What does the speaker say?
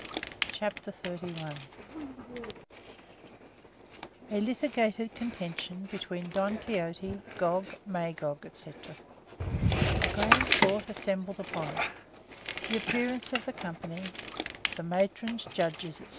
CHAPTER XXXI _A litigated contention between Don Quixote, Gog, Magog, &c. A grand court assembled upon it The appearance of the company The matrons, judges, &c.